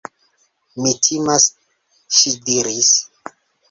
Mi timas, ŝi diris.